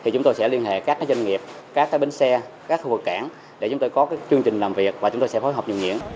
chúng tôi sẽ liên hệ các doanh nghiệp các bến xe các khu vực cảng để chúng tôi có chương trình làm việc và chúng tôi sẽ phối hợp dùng miễn